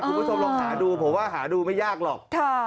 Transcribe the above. คุณผู้ชมลองหาดูผมว่าหาดูไม่ยากหรอก